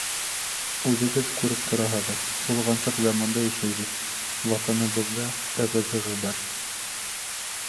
— Үҙегеҙ күреп тораһығыҙ: болғансыҡ заманда йәшәйбеҙ, Ватаныбыҙҙа ығы-зығы бар.